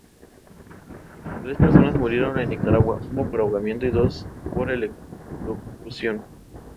Tres personas murieron en Nicaragua; uno por ahogamiento y dos por electrocución.